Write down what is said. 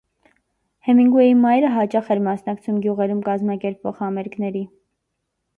Հեմինգուեյի մայրը հաճախ էր մասնակցում գյուղերում կազմակերպվող համերգների։